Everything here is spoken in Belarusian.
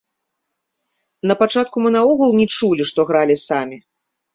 Напачатку мы наогул не чулі, што гралі самі.